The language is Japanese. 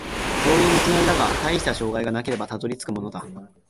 遠い道のりだが、たいした障害がなければたどり着くものだ